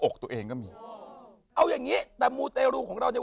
ก็นั่นไง